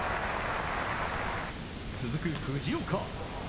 続く藤岡。